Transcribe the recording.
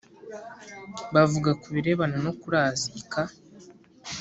bavuga ku birebana no kurazika.